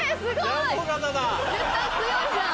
絶対強いじゃん。